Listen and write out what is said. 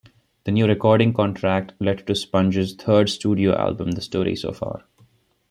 The new recording contract led to Spunge's third studio album, "The Story So Far".